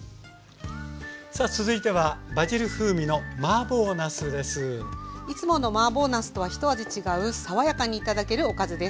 さあ続いてはいつものマーボーなすとは一味違う爽やかに頂けるおかずです。